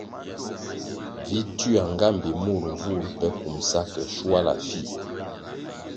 Vi tywia nga mbpi mur nvur pe kumbʼsa ke shuala fih.